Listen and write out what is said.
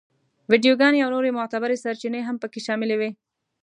ویډیوګانې او نورې معتبرې سرچینې هم په کې شاملې وې.